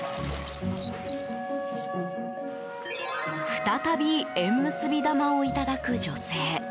再び縁結び玉をいただく女性。